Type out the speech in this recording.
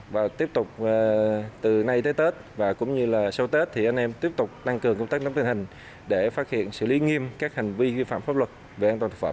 và tiếp tục từ nay tới tết và cũng như là sau tết thì anh em tiếp tục tăng cường công tác nắm tình hình để phát hiện xử lý nghiêm các hành vi vi phạm pháp luật về an toàn thực phẩm